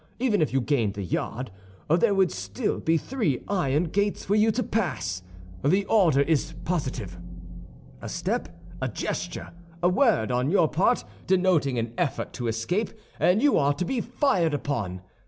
Even if you gained the yard, there would still be three iron gates for you to pass. The order is positive. A step, a gesture, a word, on your part, denoting an effort to escape, and you are to be fired upon.